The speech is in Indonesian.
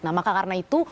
nah maka karena itu